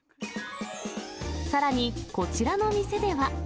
さらに、こちらの店では。